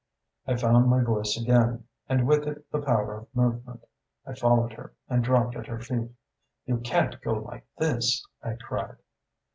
"I found my voice again, and with it the power of movement. I followed her and dropped at her feet. 'You can't go like this!' I cried.